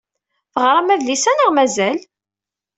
Teɣṛam adlis-a neɣ mazal?